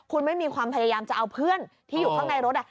คุณไม่มีความพยายามจะเอาเพื่อนที่อยู่ข้างในรถ